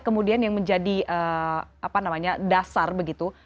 kemudian yang menjadi apa namanya dasar begitu